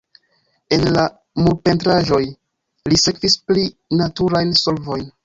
En la murpentraĵoj, li sekvis pli naturajn solvojn.